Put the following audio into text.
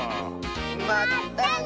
まったね！